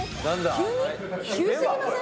急すぎません？